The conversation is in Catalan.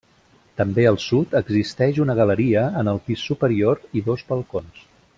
També al sud existeix una galeria en el pis superior i dos balcons.